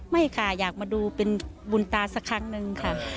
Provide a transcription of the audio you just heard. ไม่ค่ะอยากมาดูเป็นบุญตาสักครั้งนึงค่ะ